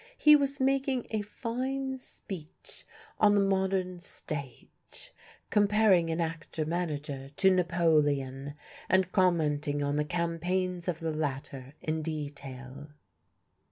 He was making a fine speech on the modern stage, comparing an actor manager to Napoleon, and commenting on the campaigns of the latter in detail.